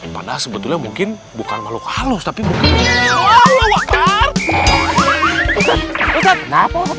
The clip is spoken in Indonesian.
padahal sebetulnya mungkin bukan makhluk halus tapi bukan